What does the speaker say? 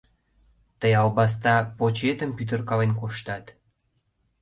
Тый, албаста, почетым пӱтыркален коштат!..